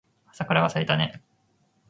桜が咲いたね